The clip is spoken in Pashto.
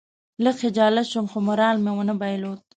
لږ خجالت شوم خو مورال مې ونه بایلود.